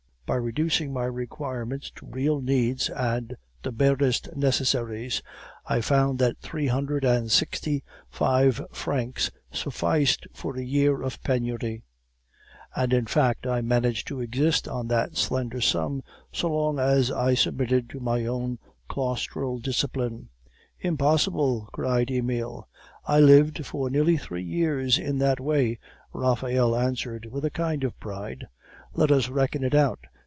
By reducing my requirements to real needs and the barest necessaries, I found that three hundred and sixty five francs sufficed for a year of penury; and, in fact, I managed to exist on that slender sum, so long as I submitted to my own claustral discipline." "Impossible!" cried Emile. "I lived for nearly three years in that way," Raphael answered, with a kind of pride. "Let us reckon it out.